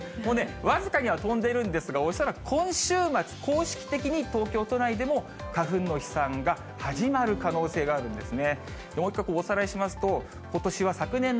僅かには飛んでいるんですが、恐らく今週末、公式的に東京都内でも花粉の飛散が始まる可能性があるんですね。